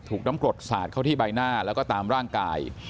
ถูกน้ำกรดสาดเข้าที่ใบหน้าแล้วก็ตามร่างกาย